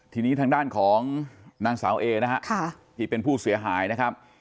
ทีนี้ทางด้านของนางสาวเอนะฮะที่เป็นผู้เสียหายนะครับ